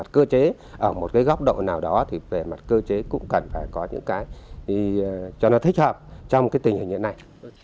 cho nó thích hợp trong cái tình hình này